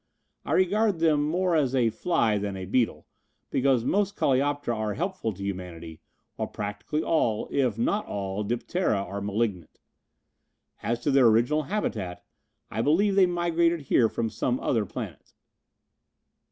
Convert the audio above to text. I regard them more as a fly than a beetle, because most Coleoptera are helpful to humanity while practically all, if not all, Diptera are malignant. "As to their original habitat, I believe they migrated here from some other planet."